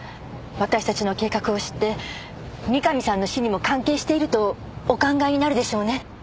私たちの計画を知って三上さんの死にも関係しているとお考えになるでしょうね。